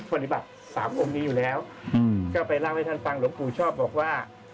ปฏิบัติสามองค์นี้อยู่แล้วก็ไปเล่าให้ท่านฟังหลวงปู่ชอบบอกว่า